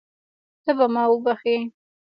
ته به ما وبښې.